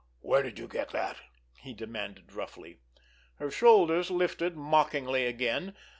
"Where did you get that?" he demanded roughly. Her shoulders lifted mockingly again.